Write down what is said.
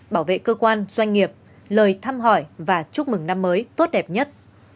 bảo vệ cơ quan doanh nghiệp lời thăm hỏi và chúc mừng năm mới tốt đẹp nhất